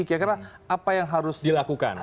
kira kira apa yang harus dilakukan